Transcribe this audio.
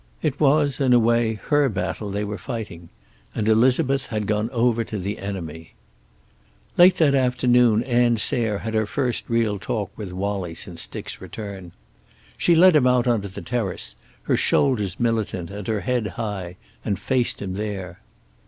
It was, in a way, her battle they were fighting. And Elizabeth had gone over to the enemy. Late that afternoon Ann Sayre had her first real talk with Wallie since Dick's return. She led him out onto the terrace, her shoulders militant and her head high, and faced him there.